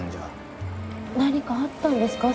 何かあったんですか？